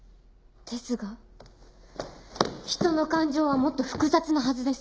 ですが人の感情はもっと複雑なはずです。